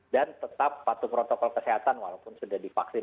dan tetap patuh protokol kesehatan walaupun sudah divaksin